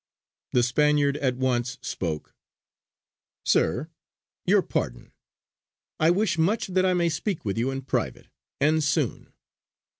The Spaniard at once spoke: "Sir, your pardon! I wish much that I may speak with you in private, and soon.